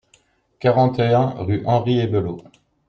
quarante et un rue Henri Ebelot